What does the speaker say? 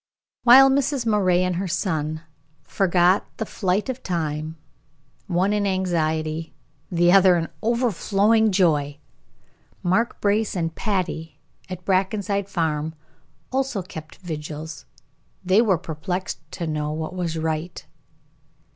While Mrs. Moray and her son forgot the flight of time, one in anxiety, the other in overflowing joy, Mark Brace and Patty, at Brackenside Farm, also kept vigils. They were perplexed to know what was right.